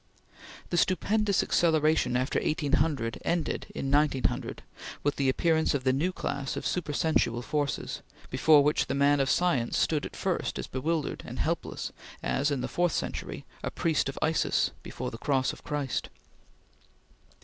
The stupendous acceleration after 1800 ended in 1900 with the appearance of the new class of supersensual forces, before which the man of science stood at first as bewildered and helpless as, in the fourth century, a priest of Isis before the Cross of Christ.